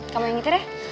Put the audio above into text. kamu yang ngitar ya